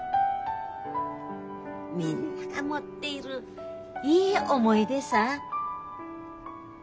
みんなが持っているいい思い出さぁ。